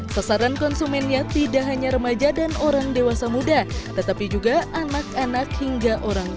sasaran konsumennya tidak hanya remaja dan orang dewasa muda tetapi juga anak anak hingga orang tua